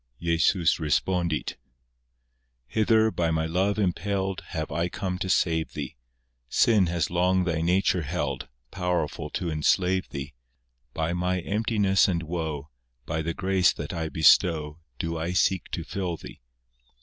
II (Jesus respondit) Hither, by My love impelled, Have I come to save thee; Sin has long thy nature held, Powerful to enslave thee. By My emptiness and woe, By the grace that I bestow, Do I seek to fill thee.